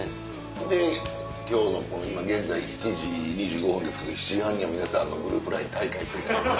で今日の今現在７時２５分ですけど７時半には皆さんグループＬＩＮＥ退会していただいて。